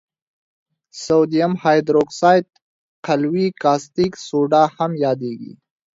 سودیم هایدروکساید قلوي کاستیک سوډا هم یادیږي.